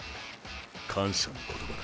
感謝の言葉だ。